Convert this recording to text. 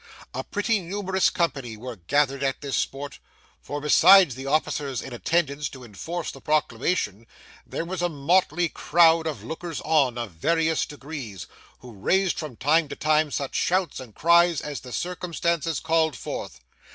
A pretty numerous company were gathered together at this spot, for, besides the officers in attendance to enforce the proclamation, there was a motley crowd of lookers on of various degrees, who raised from time to time such shouts and cries as the circumstances called forth.